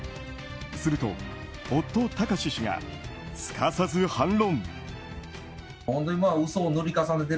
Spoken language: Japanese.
すると、夫・貴志氏がすかさず反論。